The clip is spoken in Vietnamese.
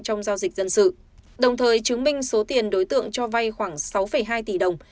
trong giao dịch dân sự đồng thời chứng minh số tiền đối tượng cho vay khoảng sáu hai tỷ đồng